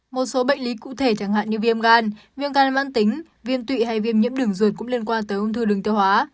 một số bệnh lý cụ thể chẳng hạn như viêm gan viêm gan man tính viêm tụy hay viêm nhiễm đường ruột cũng liên quan tới ung thư đường tiêu hóa